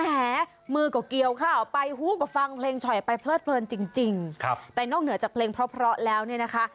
แหมมือก็เกียวข้าวไปฮู้ก็ฟังเพลงฉอยไปเพลิดจริงแต่นอกเหนือจากเพลงเพราะแล้วเนี่ยนะคะ